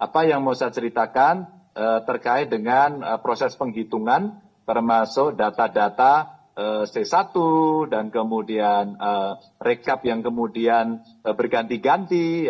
apa yang mau saya ceritakan terkait dengan proses penghitungan termasuk data data c satu dan kemudian rekap yang kemudian berganti ganti